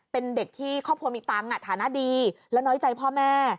เป็นเด็กที่ครอบครัวมีตังค์ฐานะดีและน้อยใจพ่อแม่